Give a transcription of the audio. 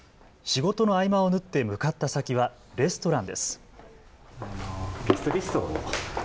仕事の合間を縫って向かった先はレストランです。